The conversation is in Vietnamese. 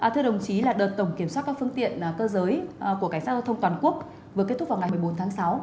thưa đồng chí là đợt tổng kiểm soát các phương tiện cơ giới của cảnh sát giao thông toàn quốc vừa kết thúc vào ngày một mươi bốn tháng sáu